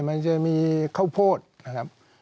มันจะมีข้าวโพดนะครับ